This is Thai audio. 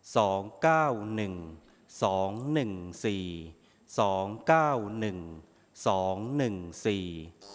สองเก้าหนึ่งสองหนึ่งสี่สองเก้าหนึ่งสองหนึ่งสี่